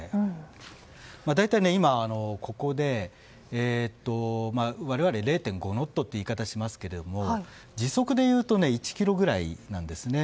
大体我々、０．５ノットという言い方をしますが時速でいうと１キロぐらいなんですね。